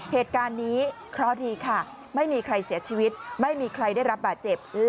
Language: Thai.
เหตุการณ์นี้เคราะห์ดีค่ะไม่มีใครเสียชีวิตไม่มีใครได้รับบาดเจ็บ